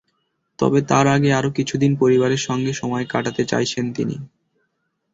তবে, তার আগে আরও কিছুদিন পরিবারের সঙ্গে সময় কাটাতে চাইছেন তিনি।